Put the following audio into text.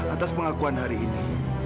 atas pengakuan hari ini